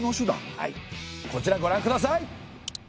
はいこちらご覧ください！